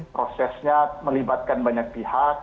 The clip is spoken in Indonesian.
prosesnya melibatkan banyak pihak